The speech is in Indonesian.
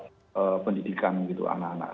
untuk pendidikan gitu anak anak